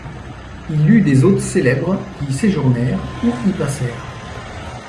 Il eut des hôtes célèbres qui y séjournèrent ou y passèrent.